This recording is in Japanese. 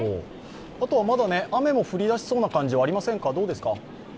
あとは、まだ雨も降りだしそうな感じはありませんか？